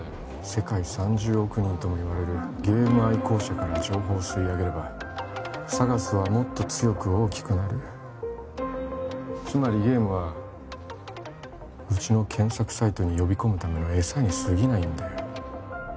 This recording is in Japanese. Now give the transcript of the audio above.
世界３０億人ともいわれるゲーム愛好者から情報を吸い上げればＳＡＧＡＳはもっと強く大きくなるつまりゲームはうちの検索サイトに呼び込むための餌にすぎないんだよ